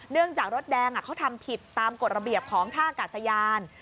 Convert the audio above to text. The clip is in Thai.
จากรถแดงเขาทำผิดตามกฎระเบียบของท่ากาศยาน